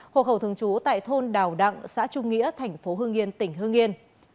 hục hậu thường trú tại thôn đào đặng xã trung nghĩa tp hương yên tỉnh hương yên